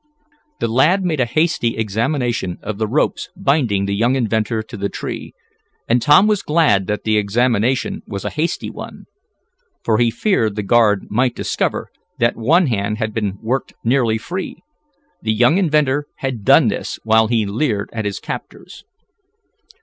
The lad made a hasty examination of the ropes binding the young inventor to the tree, and Tom was glad that the examination was a hasty one. For he feared the guard might discover that one hand had been worked nearly free. The young inventor had done this while he leered at his captors.